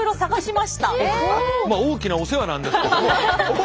まあ大きなお世話なんですけども。